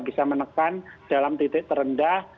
bisa menekan dalam titik terendah